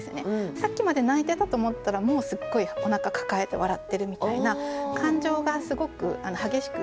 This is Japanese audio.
さっきまで泣いてたと思ったらもうすっごいおなか抱えて笑ってるみたいな感情がすごく激しく移り変わっていく。